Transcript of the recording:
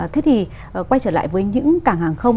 thế thì quay trở lại với những cảng hàng không